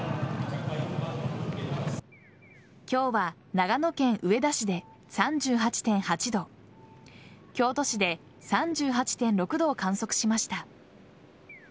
今日は長野県上田市で３８．８度京都市で３８．６度を観測しました。